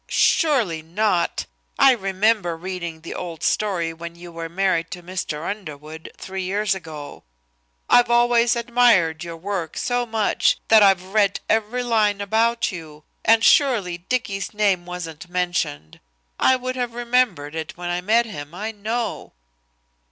"Surely not. I remember reading the old story when you were married to Mr. Underwood, three years ago I've always admired your work so much that I've read every line about you and surely Dicky's name wasn't mentioned. I would have remembered it when I met him, I know."